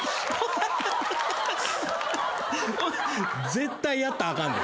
絶対やったらあかんで。